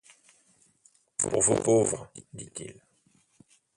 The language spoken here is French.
Pour vos pauvres, dit-il.